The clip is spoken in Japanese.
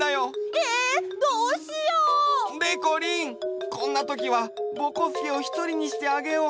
えどうしよう！でこりんこんなときはぼこすけをひとりにしてあげよう！